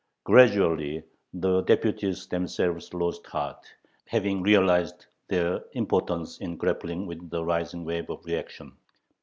Gradually the deputies themselves lost heart, having realized their impotence in grappling with the rising wave of reaction.